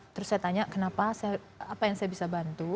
terus saya tanya kenapa apa yang saya bisa bantu